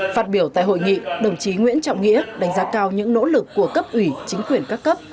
phát biểu tại hội nghị đồng chí nguyễn trọng nghĩa đánh giá cao những nỗ lực của cấp ủy chính quyền các cấp